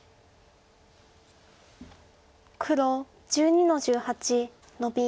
黒１２の十八ノビ。